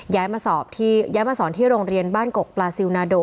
ย้ายมาสอนที่โรงเรียนบ้านกกปลาซิลนาโด